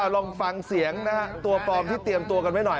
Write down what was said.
ลองฟังเสียงนะฮะตัวปลอมที่เตรียมตัวกันไว้หน่อย